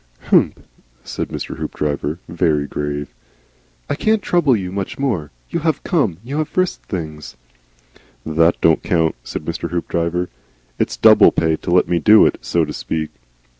"H'mp," said Mr. Hoopdriver, very grave. "I can't trouble you much more. You have come you have risked things " "That don't count," said Mr. Hoopdriver. "It's double pay to let me do it, so to speak."